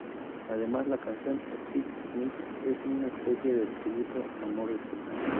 Además la canción "Steven Smith" es una especie de tributo a Morrissey.